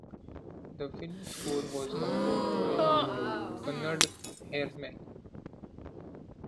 The film score was composed by Bernard Hermann.